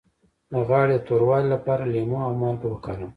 د غاړې د توروالي لپاره لیمو او مالګه وکاروئ